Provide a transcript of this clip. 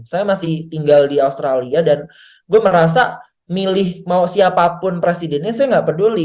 saya masih tinggal di australia dan gue merasa milih mau siapapun presidennya saya nggak peduli